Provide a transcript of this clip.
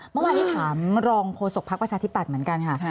เมื่อวานนี้ถามรองโฆษกภักดิ์ประชาธิปัตย์เหมือนกันค่ะ